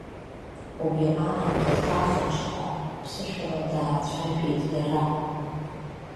Убри аамҭаз аӷаџҳәа ԥсышәала даацәажәеит иара.